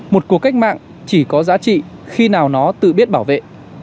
một cuộc cách mạng chỉ có giá trị khi nào nó tự biết bảo vệ